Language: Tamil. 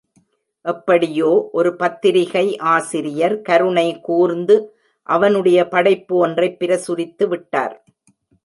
எப்படியோ, ஒரு பத்திரிகை ஆசிரியர் கருணை கூர்ந்து அவனுடைய படைப்பு ஒன்றைப் பிரசுரித்து விட்டார்.